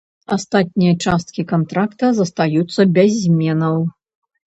Астатнія часткі кантракта застаюцца без зменаў.